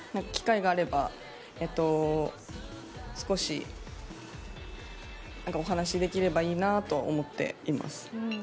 機会があれば、少しお話しできればいいなと思っています。